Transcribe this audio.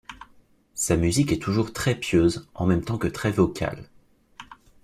Sa musique est toujours très pieuse, en même temps que très vocale.